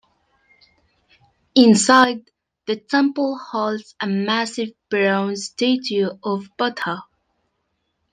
Inside, the temple holds a massive bronze statue of Buddha.